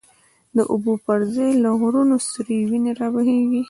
د اوبو پر ځای له غرونو، سری وینی را بهیږی